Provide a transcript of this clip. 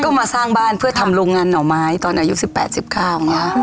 ก็มาสร้างบ้านเพื่อทำโรงงานหน่อไม้ตอนอายุ๑๘๑๙ครับ